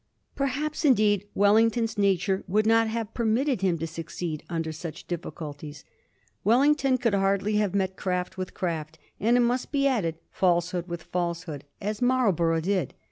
Perhaps, in deed, Wellington's nature would not have permitted him to succeed under such difficulties. Wellington could hardly have met craft with craft, and, it must be added, falsehood with falsehood, as Marlborough did.